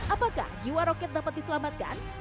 apakah jiwa roket dapat diselamatkan